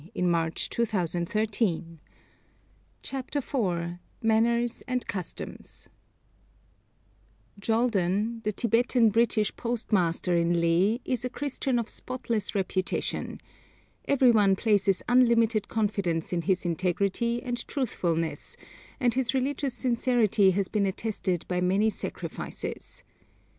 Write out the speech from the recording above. [Illustration: THE YAK (Bos grunniens)] CHAPTER IV MANNERS AND CUSTOMS Joldan, the Tibetan British postmaster in Leh, is a Christian of spotless reputation. Every one places unlimited confidence in his integrity and truthfulness, and his religious sincerity has been attested by many sacrifices.